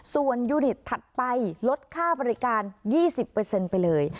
ส่วนยูนิตถัดไปลดค่าบริการ๒๐ไปเลย